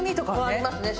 ありますね